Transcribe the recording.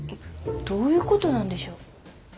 どういうことなんでしょう？